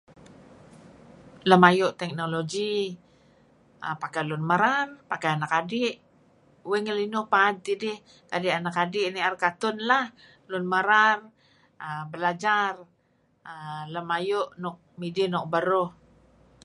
Lem ayu' teknologi pakai lun merar pakai anak adi' uih ngelinuh paad tidih. Kadi' anak adi' nier cartoon lah lun merar belajar lam ayu' nuk midih nuk beruh.